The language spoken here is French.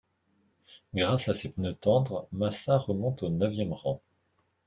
Grâce à ses pneus tendres, Massa remonte au neuvième rang.